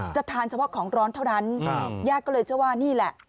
จะทานเฉพาะของร้อนเท่านั้นญาติก็เลยเชื่อว่านี่แหละ